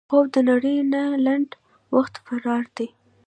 خوب د نړۍ نه لنډ وخت فرار دی